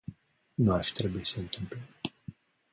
Nu ar fi trebuit să se întâmple.